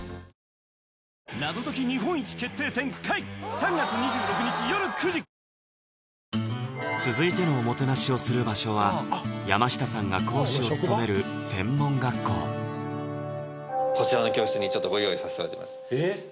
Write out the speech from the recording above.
三菱電機続いてのおもてなしをする場所は山下さんが講師を務める専門学校こちらの教室にちょっとご用意させていただいてますえっ？